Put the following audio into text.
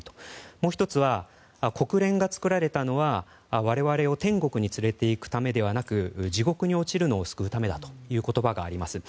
もう１つは国連が作られたのは我々を天国に連れていくためではなく地獄に落ちるのを救うためだという言葉があります。